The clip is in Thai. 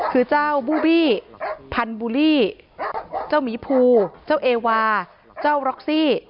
คือเจ้าบูบี้พันบูลลี่เจ้าหมีภูเจ้าเอวาเจ้าร็อกซี่